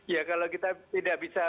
ya kalau kita tidak bisa